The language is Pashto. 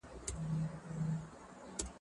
زه اوس سپينکۍ پرېولم.